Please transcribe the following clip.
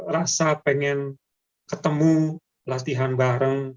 rasa pengen ketemu latihan bareng